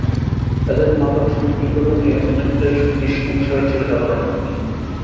এদের মাদক সম্পৃক্ততা নিয়ে অনেকটাই নিঃসংশয় ছিল সাধারণ মানুষ।